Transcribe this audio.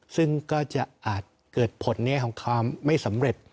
ซึ่งก็จะอาจเกิดผลในของความไม่สำเร็จ